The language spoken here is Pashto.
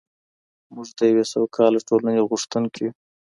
موږ د یوې سوکاله ټولنې غوښتونکي یو.